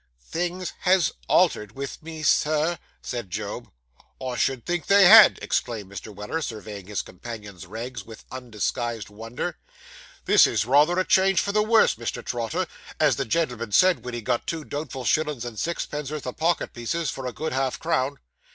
'Things has altered with me, sir,' said Job. 'I should think they had,' exclaimed Mr. Weller, surveying his companion's rags with undisguised wonder. 'This is rayther a change for the worse, Mr. Trotter, as the gen'l'm'n said, wen he got two doubtful shillin's and sixpenn'orth o' pocket pieces for a good half crown.